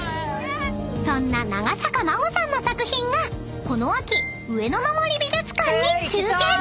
［そんな長坂真護さんの作品がこの秋上野の森美術館に集結！］